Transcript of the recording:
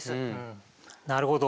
なるほど。